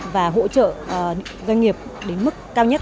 và hỗ trợ doanh nghiệp đến mức cao nhất